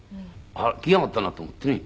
あっ来やがったなと思ってね。